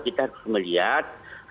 kita harus melihat